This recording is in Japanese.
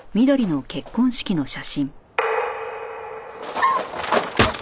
あっ！